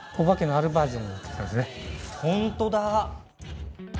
本当だ！